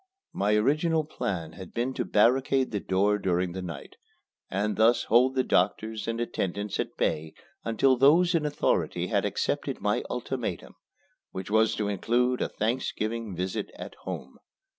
My original plan had been to barricade the door during the night, and thus hold the doctors and attendants at bay until those in authority had accepted my ultimatum, which was to include a Thanksgiving visit at home.